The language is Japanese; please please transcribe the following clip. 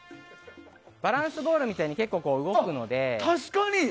バランスボールみたいに結構、動くので。